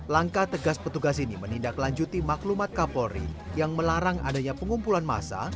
langkah tegas petugas ini menindaklanjuti maklumat kapolri yang melarang adanya pengumpulan massa